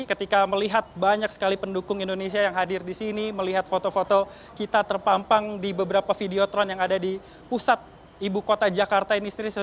ketika melihat banyak sekali pendukung indonesia yang hadir di sini melihat foto foto kita terpampang di beberapa videotron yang ada di pusat ibu kota jakarta ini sendiri